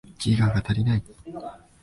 ギガが足りない